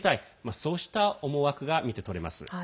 そうした思惑が見て取れます。